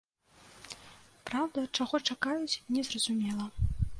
Праўда, чаго чакаюць, не зразумела.